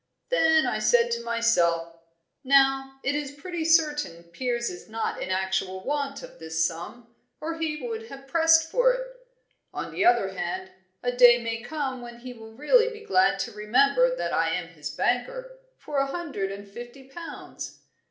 Then I said to myself: Now it is pretty certain Piers is not in actual want of this sum, or he would have pressed for it. On the other hand, a day may come when he will really be glad to remember that I am his banker for a hundred and fifty pounds.